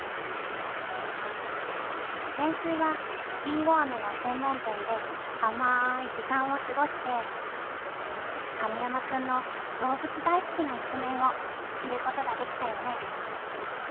先週はりんごあめの専門店であまい時間を過ごして神山君の動物大好きな一面を知ることができたよね。